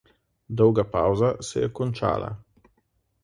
Dolga pavza se je končala.